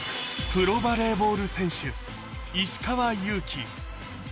プロバレーボール選手、石川祐希